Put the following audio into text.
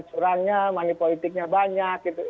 aturannya money politiknya banyak gitu